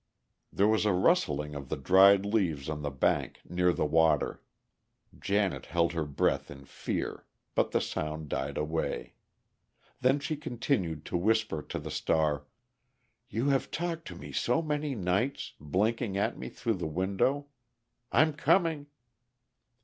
There was a rustling of the dried leaves on the bank, near the water. Janet held her breath in fear, but the sound died away. Then she continued to whisper to the star, "You have talked to me so many nights, blinking at me through the window. I'm coming!"